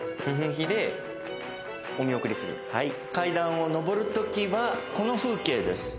階段を上るときはこの風景です。